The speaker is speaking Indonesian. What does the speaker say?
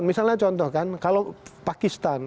misalnya contoh kan kalau pakistan